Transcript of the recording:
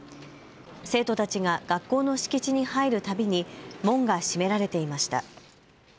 生徒たちが学校の敷地に入るたびに門が閉められていました。